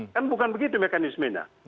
kan bukan begitu mekanismenya